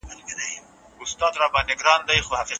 ثمر ګل په پوره زغم سره کار کاوه.